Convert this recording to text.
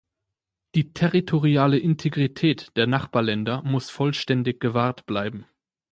Die territoriale Integrität der Nachbarländer muss vollständig gewahrt bleiben.